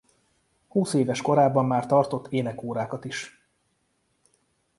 Húszéves korában már tartott énekórákat is.